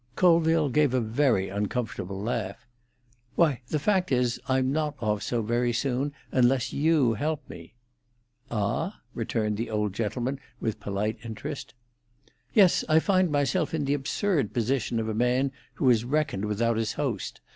Colville gave a very uncomfortable laugh. "Why, the fact is, I'm not off so very soon unless you help me." "Ah?" returned the old gentleman, with polite interest. "Yes, I find myself in the absurd position of a man who has reckoned without his host.